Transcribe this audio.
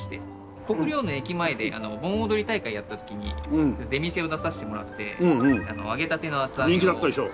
国領の駅前で盆踊り大会をやった時に出店を出させてもらって揚げたての厚揚げを。